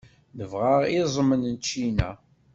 Nebɣa iẓem n ččina.